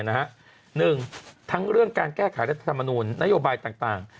หนึ่งทั้งเรื่องการแก้ไขรัฐธรรมนูลนโยบายต่าง